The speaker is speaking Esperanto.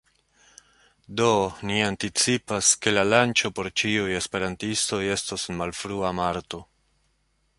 Do, ni anticipas, ke la lanĉo por ĉiuj esperantistoj estos en malfrua marto